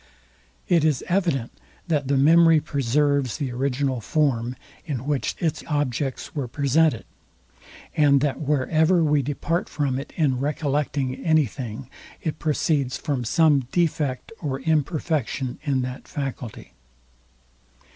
It is evident, that the memory preserves the original form, in which its objects were presented, and that where ever we depart from it in recollecting any thing, it proceeds from some defect or imperfection in that faculty.